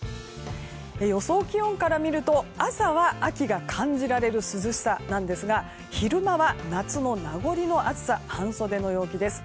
予想気温から見ると朝は秋が感じれる涼しさなんですが昼間は夏の名残の暑さ半袖の陽気です。